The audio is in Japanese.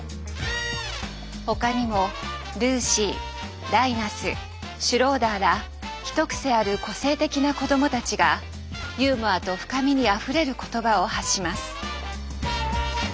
他にもルーシーライナスシュローダーら一癖ある個性的な子どもたちがユーモアと深みにあふれる言葉を発します。